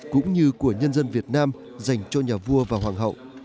cũng như của nhân dân việt nam dành cho nhà vua và hoàng hậu